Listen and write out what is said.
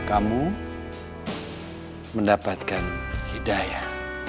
kamu mendapatkan hidayah